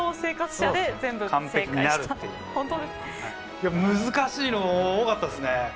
いや難しいの多かったですね。